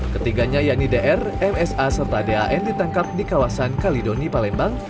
ketiganya yanni dr msa serta dan ditangkap di kawasan kalidoni palembang